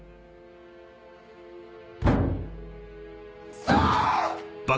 クソ‼